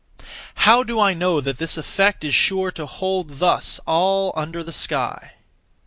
How do I know that this effect is sure to hold thus all under the sky?